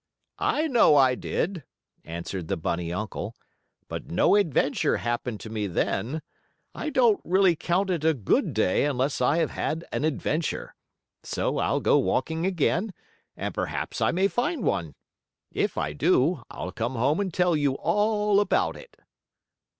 "I know I did," answered the bunny uncle, "but no adventure happened to me then. I don't really count it a good day unless I have had an adventure. So I'll go walking again, and perhaps I may find one. If I do, I'll come home and tell you all about it."